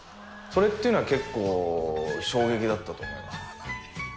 それっていうのは結構、衝撃だったと思います。